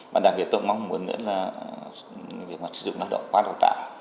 và đặc biệt tôi mong muốn nữa là việc sử dụng lao động qua đào tạo